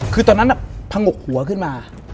คือตอนนั้นผงกหัวขึ้นมา